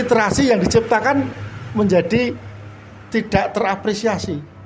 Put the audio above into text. literasi yang diciptakan menjadi tidak terapresiasi